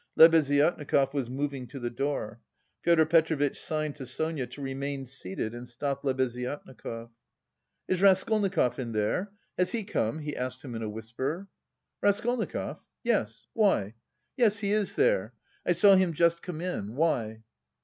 Lebeziatnikov was moving to the door. Pyotr Petrovitch signed to Sonia to remain seated and stopped Lebeziatnikov. "Is Raskolnikov in there? Has he come?" he asked him in a whisper. "Raskolnikov? Yes. Why? Yes, he is there. I saw him just come in.... Why?"